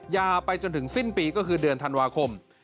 ไปจนถึงสิ้นปีก็คือเดือนธันวาคม